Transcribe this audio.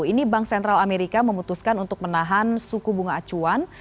ini bank sentral amerika memutuskan untuk menahan suku bunga acuan